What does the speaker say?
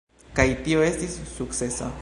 Kaj tio estis sukcesa.